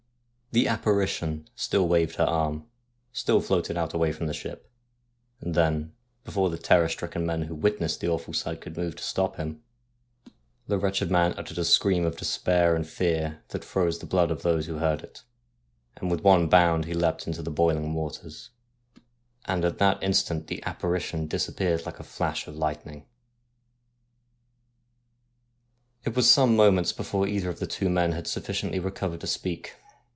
The apparition still waved her arm, still floated out away from the ship, and then, before the terror stricken men who witnessed the awful sight could move to stop him, the wretched man uttered a scream of despair and fear that froze the blood of those who heard it, and with one bound he leapt into the boiling waters, and at that instant the apparition disappeared like a flash of lightning. It was some moments before either of the two men had sufficiently recovered to speak.